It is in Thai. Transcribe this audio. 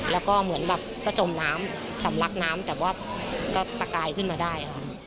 แล้วก็เหมือนแบบก็จมน้ำสำลักน้ำแต่ว่าก็ตะกายขึ้นมาได้ค่ะ